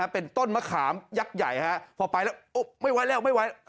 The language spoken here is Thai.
เป็นต้นมะขามยักษ์ใหญ่พอไปแล้วไม่ไว้แล้วไม่ไว้